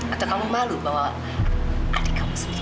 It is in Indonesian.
atau kamu malu bawa adik kamu sendiri